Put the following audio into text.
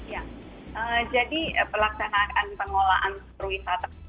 ya jadi pelaksanaan pengolahan perwisata vaksin itu harus dipersiapkan